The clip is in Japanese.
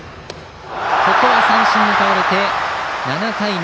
ここは三振に倒れて７対７。